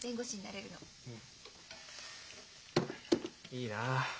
いいなあ。